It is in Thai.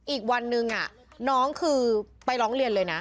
อีกวันนึงน้องคือไปร้องเรียนเลยนะ